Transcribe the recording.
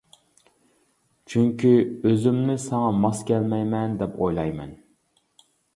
چۈنكى ئۆزۈمنى ساڭا ماس كەلمەيمەن دەپ ئويلايمەن.